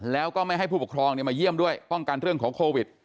แล้วก็ไม่ให้ผู้ปกครองมาเยี่ยมด้วยป้องกันเรื่องของโควิด